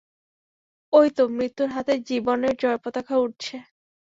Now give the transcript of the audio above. ঐ তো মৃত্যুর হাতে জীবনের জয়পতাকা উড়ছে!